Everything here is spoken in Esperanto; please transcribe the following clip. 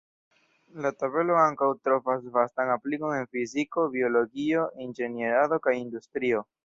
La tabelo ankaŭ trovas vastan aplikon en fiziko, biologio, inĝenierado kaj industrio.